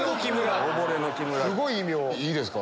いいですか？